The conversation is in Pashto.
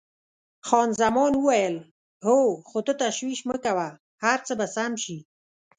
خان زمان وویل: هو، خو ته تشویش مه کوه، هر څه به سم شي.